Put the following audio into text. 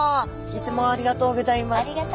いつもありがとうギョざいます。